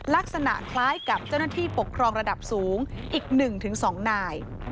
ลักษณะคล้ายกับเจ้าหน้าที่ปกครองระดับสูงอีก๑๒นาย